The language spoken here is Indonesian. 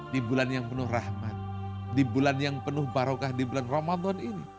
di bulan yang penuh rahmat di bulan yang penuh barokah di bulan ramadan ini